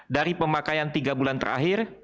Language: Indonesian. dari pemakaian tiga bulan terakhir